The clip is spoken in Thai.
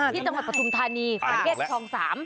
ที่จังหวัดประทุมธานีประเทศคลอง๓